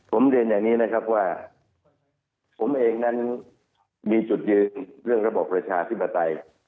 ผมเรียนอย่างนี้นะครับว่าผมเองนั้นมีจุดยืนเรื่องระบบประชาธิปไตย